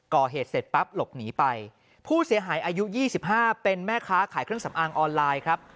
ก่อเหตุเสร็จปั๊บหลบหนีไปผู้เสียหายอายุ๒๕เป็นแม่ค้าขายเครื่องสำอางออนไลน์ครับ